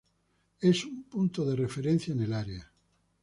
Es un punto de referencia en el área.